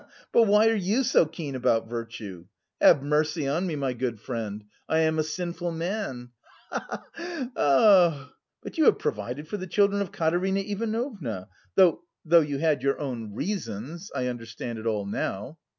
Ha ha! But why are you so keen about virtue? Have mercy on me, my good friend. I am a sinful man. Ha ha ha!" "But you have provided for the children of Katerina Ivanovna. Though... though you had your own reasons.... I understand it all now."